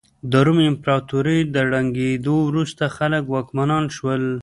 د روم امپراتورۍ له ړنګېدو وروسته خلکو واکمنان وشړل